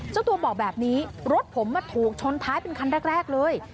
เจ้าตัวบอกแบบนี้รถผมมาถูกชนท้ายเป็นคันแรกเลย